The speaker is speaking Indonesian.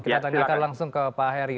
kita tanyakan langsung ke pak heri